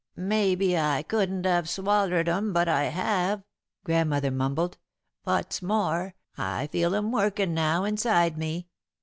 "Maybe I couldn't have swallered 'em, but I have," Grandmother mumbled. "What's more, I feel 'em workin' now inside me.